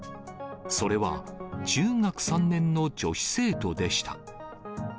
それは中学３年の女子生徒でした。